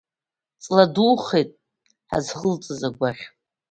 Ҵла духеит ҳазхылҵыз агәаӷь.